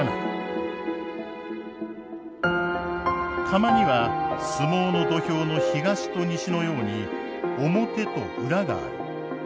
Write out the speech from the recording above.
釜には相撲の土俵の東と西のように表と裏がある。